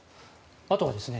あとはですね